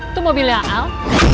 itu mobilnya al